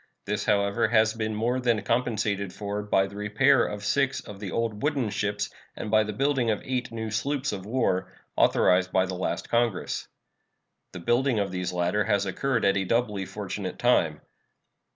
This, however, has been more than compensated for by the repair of six of the old wooden ships and by the building of eight new sloops of war, authorized by the last Congress. The building of these latter has occurred at a doubly fortunate time.